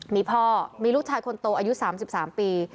มีพ่อมีลูกชายคนโตอายุ๓๓ปี